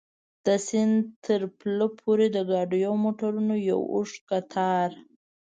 د سیند تر پله پورې د ګاډیو او موټرو یو اوږد کتار.